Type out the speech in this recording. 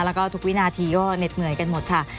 แล้วก็ทุกวินาทีก็เหน็ดเหนื่อยกันหมดค่ะ